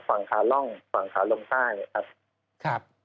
ฝั่งขาล่องฝั่งขาลงใต้ครับ